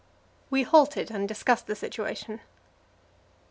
We halted and discussed the situation.